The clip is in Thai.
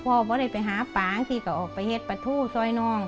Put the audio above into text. พ่อก็ได้ไปหาป่าเขาก็ออกไปเห็นประทูซอยนอง